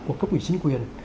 của cấp ủy chính quyền